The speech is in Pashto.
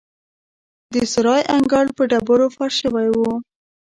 د سرای انګړ په ډبرو فرش شوی و.